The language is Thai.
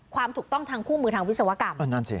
ความถูกต้องทางคู่มือทางวิศวกรรม